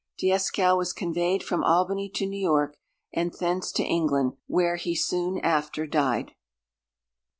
Dieskau was conveyed from Albany to New York, and thence to England, where he soon after died.